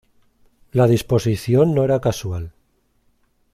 La disposición no era casual.